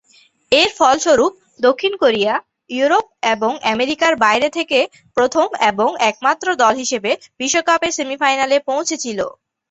এর ফলস্বরূপ দক্ষিণ কোরিয়া ইউরোপ এবং আমেরিকার বাইরে থেকে প্রথম এবং একমাত্র দল হিসেবে বিশ্বকাপের সেমিফাইনালে পৌঁছেছিল।